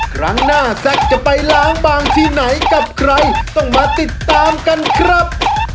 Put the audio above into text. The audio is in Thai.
ครั้งหน้าแซ็กจะไปล้างบางที่ไหนกับใครต้องมาติดตามกันครับ